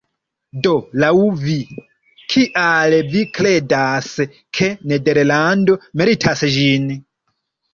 Do laŭ vi, kial vi kredas ke nederlando meritas ĝin?